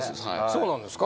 そうなんですか？